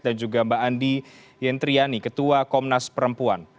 dan juga mbak andi yentriani ketua komnas perempuan